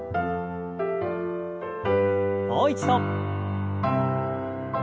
もう一度。